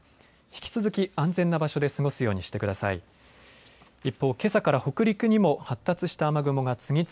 引き続き安全な場所で過ごすようにしてください。